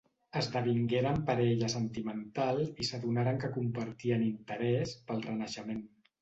Esdevingueren parella sentimental i s'adonaren que compartien interès pel Renaixement.